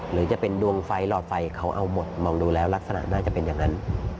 หรือจะเป็นดวงไฟหลอดไฟเขาเอาหมดมองดูแล้วลักษณะน่าจะเป็นอย่างนั้น